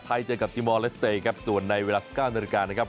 ไทยเจอกับติมอลและสเตยครับส่วนในเวลา๑๙นาทีนะครับ